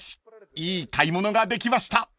［いい買い物ができました］